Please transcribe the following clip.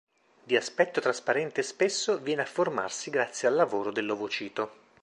Di aspetto trasparente e spesso, viene a formarsi grazie al lavoro dell'ovocito.